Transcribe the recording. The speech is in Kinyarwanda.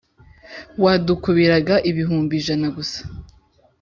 wadukubiraga ibihumbi ijana gusa